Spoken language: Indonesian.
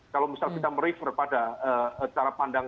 kalau misal kita merefer pada cara pandang